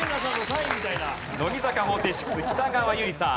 乃木坂４６北川悠理さん。